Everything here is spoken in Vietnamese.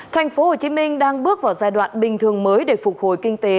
thành phố hồ chí minh đang bước vào giai đoạn bình thường mới để phục hồi kinh tế